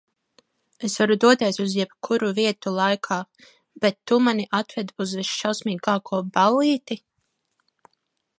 Es varu doties uz jebkuru vietu laikā, bet tu mani atved uz visšausmīgāko ballīti?